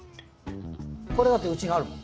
これだってうちにあるもん。